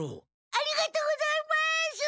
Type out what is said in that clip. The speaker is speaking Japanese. ありがとうございます！